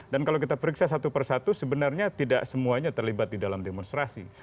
dan kalau kita periksa satu persatu sebenarnya tidak semuanya terlibat di dalam demonstrasi